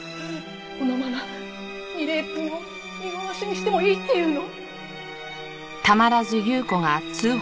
このまま楡井くんを見殺しにしてもいいっていうの？